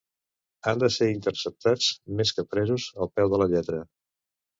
Han de ser interpretats, més que presos al peu de la lletra.